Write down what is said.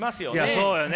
そうやね。